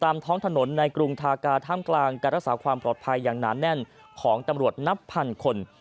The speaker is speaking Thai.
ท้องถนนในกรุงทากาท่ามกลางการรักษาความปลอดภัยอย่างหนาแน่นของตำรวจนับพันคน